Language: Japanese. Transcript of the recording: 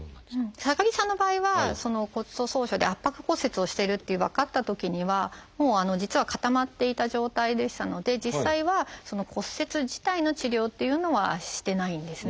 高木さんの場合は骨粗しょう症で圧迫骨折をしていると分かったときにはもう実は固まっていた状態でしたので実際は骨折自体の治療っていうのはしてないんですね。